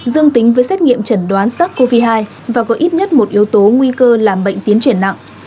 dương tính với xét nghiệm chẩn đoán sars cov hai và có ít nhất một yếu tố nguy cơ làm bệnh tiến triển nặng